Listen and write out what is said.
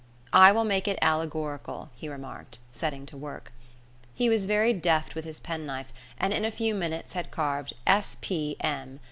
"I will make it allegorical," he remarked, setting to work. He was very deft with his penknife, and in a few minutes had carved S. P. M.